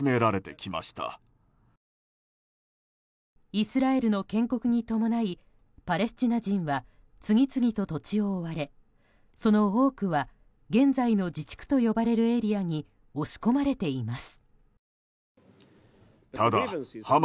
イスラエルの建国に伴いパレスチナ人は次々と土地を追われ、その多くは現在の自治区と呼ばれるエリアに押し込まれています。